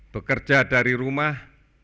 bekerja dari rumah